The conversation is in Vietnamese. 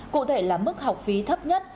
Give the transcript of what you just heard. cụ thể là mức học phí thấp nhất